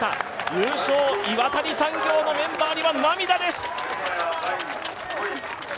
優勝、岩谷産業のメンバーには涙です。